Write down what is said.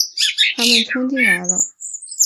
他们冲进来了